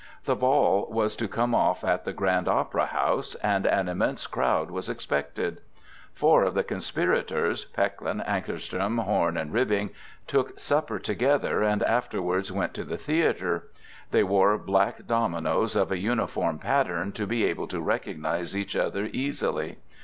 The ball was to come off at the Grand Opera House, and an immense crowd was expected. Four of the conspirators—Pechlin, Ankarström, Horn and Ribbing—took supper together, and afterwards went to the theatre. They wore black dominoes of a uniform pattern, to be able to recognize each other easily.